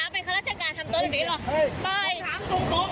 ทำไมน้าน้าเป็นข้าราชการนี่น้าทำตัวแบบนี้หรอ